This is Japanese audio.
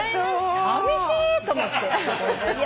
さみしい！と思って。